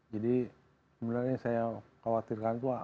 jadi sebenarnya saya khawatirkan ada satu hal yaitu